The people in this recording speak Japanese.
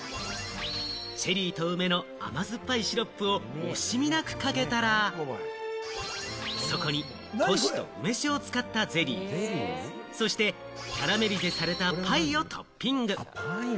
チェリーと梅の甘酸っぱいシロップを惜しみなくかけたらそこに古酒と梅酒を使ったゼリー、そしてキャラメリゼされたパイをトッピング。